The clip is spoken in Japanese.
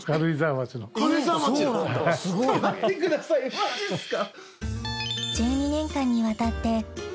ちょっと待ってくださいマジっすか。